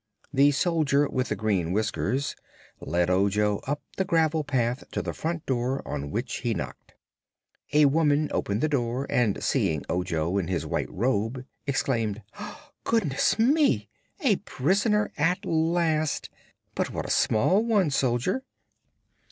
The Soldier with the Green Whiskers led Ojo up the gravel path to the front door, on which he knocked. A woman opened the door and, seeing Ojo in his white robe, exclaimed: "Goodness me! A prisoner at last. But what a small one, Soldier."